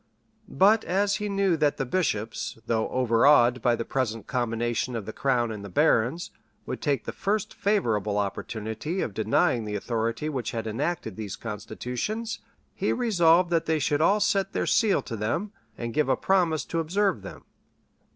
But as he knew that the bishops, though overawed by the present combination of the crown and the barons, would take the first favorable opportunity of denying the authority which had enacted these constitutions, he resolved that they should all set their seal to them, and give a promise to observe them.